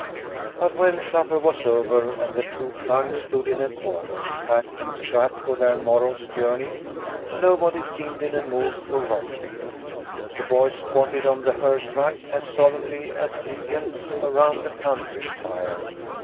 But when supper was over, and the two trunks stood in a corner, packed and strapped for their morrow's journey, nobody seemed in a mood for romping. The boys squatted on the hearth rug as solemnly as Indians around a council fire.